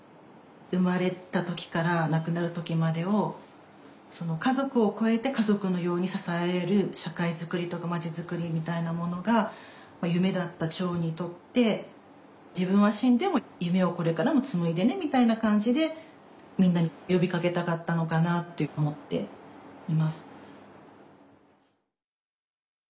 生まれた時から亡くなる時までを家族を超えて家族のように支え合える社会づくりとか町づくりみたいなものが夢だった長にとって自分は死んでも夢をこれからも紡いでねみたいな感じでみんなに呼びかけたかったのかなって思っています。